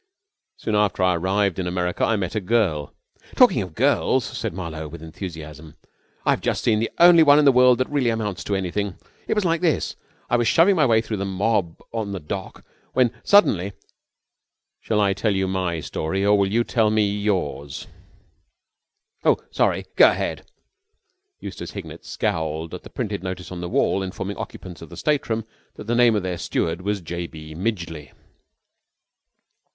"Soon after I arrived in America I met a girl...." "Talking of girls," said Marlowe with enthusiasm. "I've just seen the only one in the world that really amounts to anything. It was like this. I was shoving my way through the mob on the dock, when suddenly...." "Shall I tell you my story, or will you tell me yours?" "Oh, sorry! Go ahead." Eustace Hignett scowled at the printed notice on the wall informing occupants of the stateroom that the name of their steward was J. B. Midgeley.